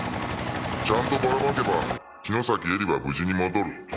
ちゃんとバラ撒けば城崎愛梨は無事に戻る。